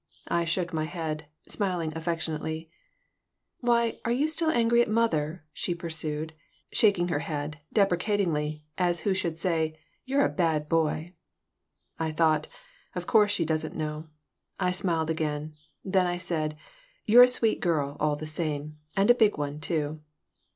I shook my head, smiling affectionately "Why, are you still angry at mother?" she pursued, shaking her head, deprecatingly, as who should say, "You're a bad boy." I thought, "Of course she doesn't know." I smiled again. Then I said: "You're a sweet girl, all the same. And a big one, too."